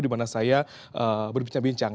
di mana saya berbincang bincang